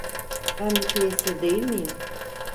Ben müteessir değil miyim?